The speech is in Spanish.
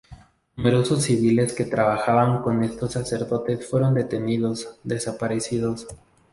Numerosos civiles que trabajaban con estos sacerdotes fueron detenidos-desaparecidos.